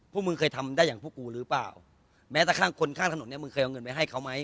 พวกมึงเคยทำได้อย่างพวกกูหรือเปล่าแม้แต่ข้างคนข้างถนนเนี่ยมึงเคยเอาเงินไปให้เขาไหม